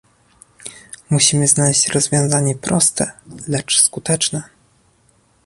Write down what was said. Musimy znaleźć rozwiązanie proste, lecz skuteczne